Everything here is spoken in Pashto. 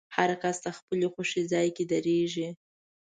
هر کس د خپلې خوښې ځای کې درېږي.